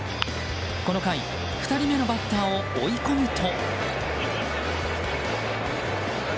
この回２人目のバッターを追い込むと。